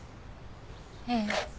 ええ。